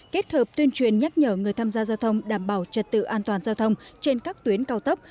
kết hợp tuyên truyền nhắc nhở người tham gia giao thông đảm bảo trật tự an toàn giao thông trên các tuyến cao tốc